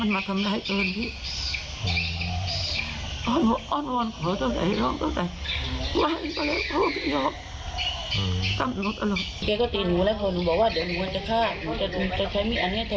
เพราะแกอยู่ข้างประตูฝั่งหนูถ้าหนูบอกว่าหนูจะฆ่าตัวตาย